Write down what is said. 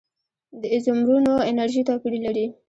د ایزومرونو انرژي توپیر لري.